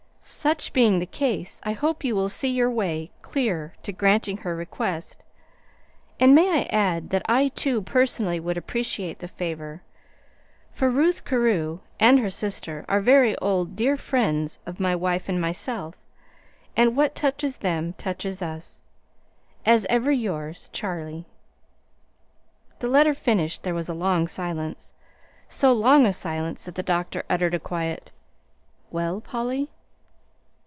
Such being the case, I hope you will see your way clear to granting her request. And may I add that I, too, personally, would appreciate the favor; for Ruth Carew and her sister are very old, dear friends of my wife and myself; and what touches them touches us. As ever yours, CHARLIE." The letter finished, there was a long silence, so long a silence that the doctor uttered a quiet, "Well, Polly?"